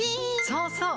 そうそう！